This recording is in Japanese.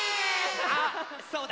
あそうだ！